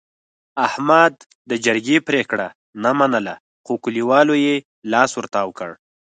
احمد د جرګې پرېګړه نه منله، خو کلیوالو یې لاس ورتاو کړ.